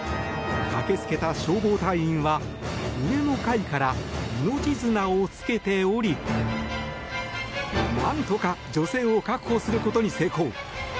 駆けつけた消防隊員は上の階から命綱をつけて下りなんとか女性を確保することに成功。